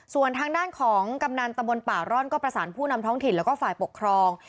ส่วนทางด้านของกำนันตะบนป่าร่อนก็ประสานผู้นำท้องถิ่นแล้วก็ฝ่ายปกครอง